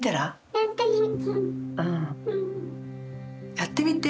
やってみる。